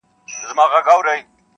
او پوښتني نه ختمېږي هېڅکله,